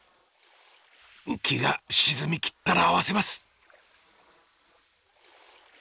ウキが沈みきったらあわせます。